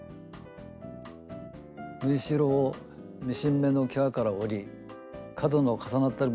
縫いしろをミシン目のきわから折り角の重なった部分はカットします。